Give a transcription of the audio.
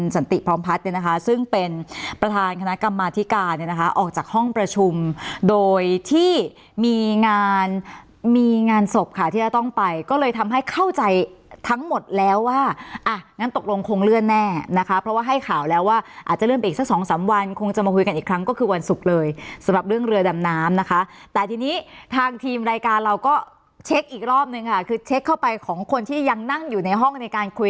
ซึ่งเป็นประธานคณะกรรมมาธิการนะคะออกจากห้องประชุมโดยที่มีงานมีงานศพค่ะที่เราต้องไปก็เลยทำให้เข้าใจทั้งหมดแล้วว่าอ่ะงั้นตกลงคงเลื่อนแน่นะคะเพราะว่าให้ข่าวแล้วว่าอาจจะเลื่อนไปอีกสัก๒๓วันคงจะมาคุยกันอีกครั้งก็คือวันศุกร์เลยสำหรับเรื่องเรือดำน้ำนะคะแต่ทีนี้ทางทีมรายการเราก็เช็คอีกรอ